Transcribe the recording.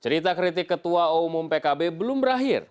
cerita kritik ketua umum pkb belum berakhir